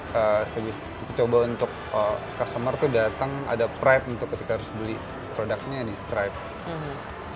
terus coba untuk customer tuh datang ada pride untuk ketika harus beli produknya nih stripe